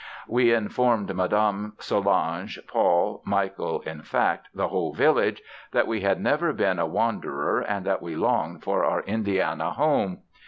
We informed Madame, Solange, Paul, Michael, in fact, the whole village, that we had never been a wanderer and that we longed for our Indiana home.